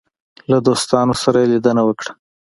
له دوستانو سره یې لیدنه وکړه.